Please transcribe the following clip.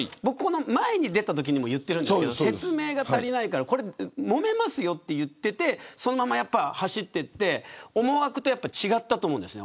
前に出たときも言ったんですが説明が足りないからもめますよと言っていてそのまま走っていって思惑と違ったと思うんです。